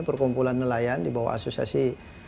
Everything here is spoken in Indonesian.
perkumpulan nelayan di bawah asosiasi